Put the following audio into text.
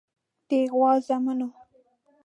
د غوا زامنو.